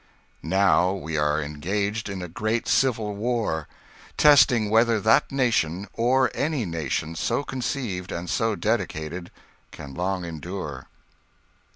Now we are engaged in a great civil war. . .testing whether that nation, or any nation so conceived and so dedicated. .. can long endure.